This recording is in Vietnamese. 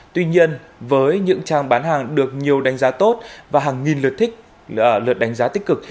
tuy nhiên với những trang bán hàng được nhiều đánh giá tốt và hàng nghìn lượt thích lượt đánh giá tích cực